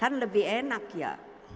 kan lebih enak ya